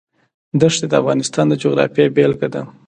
دښتې د افغانستان د جغرافیې بېلګه ده.